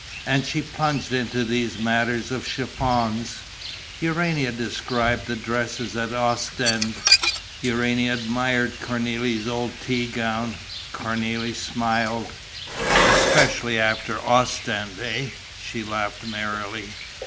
And she plunged into these matters of chiffons: Urania described the dresses at Ostend; Urania admired Cornélie's old tea gown; Cornélie smiled: "Especially after Ostend, eh?" she laughed, merrily.